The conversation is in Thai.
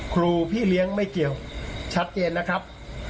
ครูพี่เลี้ยงไม่เกี่ยวชัดเจนนะครับ